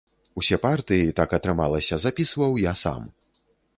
Усе партыі, так атрымалася, запісваў я сам.